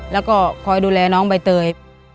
แล้วก็คอยดูแลน้องใบเตย